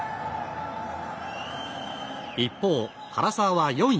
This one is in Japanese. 一方、唐澤は４位。